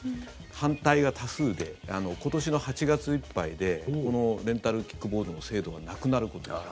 反対が多数で今年の８月いっぱいでこのレンタルキックボードの制度がなくなることに。